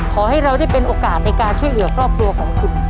ขอให้เราได้เป็นโอกาสในการช่วยเหลือครอบครัวของคุณ